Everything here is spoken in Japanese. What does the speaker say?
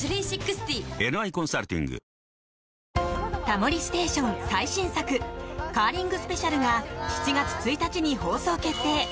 「タモリステーション」最新作カーリングスペシャルが７月１日に放送決定。